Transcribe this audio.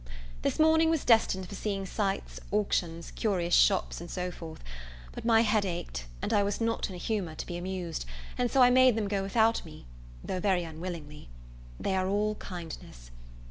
This morning was destined for seeing sights, auctions, curious shops, and so forth; but my head ached, and I was not in a humour to be amused, and so I made them go without me, though very unwillingly. They are all kindness.